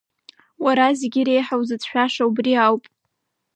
Уара зегь реиҳа узыцәшәаша убри ауп!